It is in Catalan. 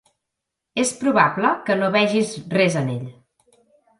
És probable que no vegis res en ell.